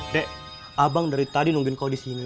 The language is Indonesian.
dek abang dari tadi nungguin kau disini